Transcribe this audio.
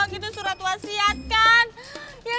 nggak ada buktinya nyomut